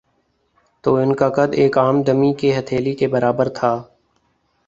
تو ان کا قد ایک عام دمی کی ہتھیلی کے برابر تھا